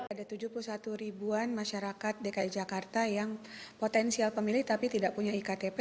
ada tujuh puluh satu ribuan masyarakat dki jakarta yang potensial pemilih tapi tidak punya iktp